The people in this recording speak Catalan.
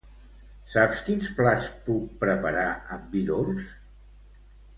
Saps quins plats puc preparar amb vi dolç?